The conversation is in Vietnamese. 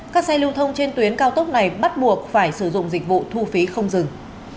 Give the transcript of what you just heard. các xe lưu thông trên tuyến cao tốc này bắt buộc phải sử dụng dịch vụ thu phí không dừng